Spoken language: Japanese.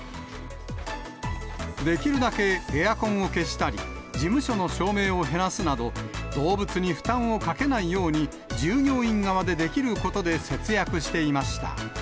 できるだけエアコンを消したり、事務所の照明を減らすなど、動物に負担をかけないように、従業員側でできることで節約していました。